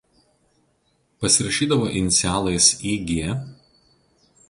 Pasirašydavo inicialais "Ig.